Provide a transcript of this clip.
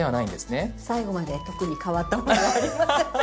最後まで特に変わったことはありません。